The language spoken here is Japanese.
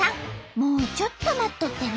もうちょっと待っとってね。